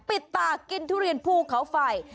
ปิดตากินทุเรียนภูเขาไฟ